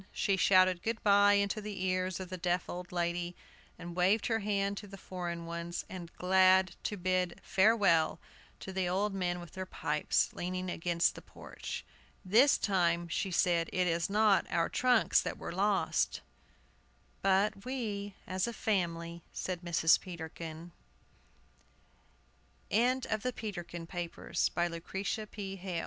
She shouted good by into the ears of the deaf old lady, and waved her hand to the foreign one, and glad to bid farewell to the old men with their pipes, leaning against the porch. "This time," she said, "it is not our trunks that were lost" "But we, as a family," said Mrs. Peterkin. End of the Project Gutenberg EBook of The Peterkin Papers, by Lucretia P. Hale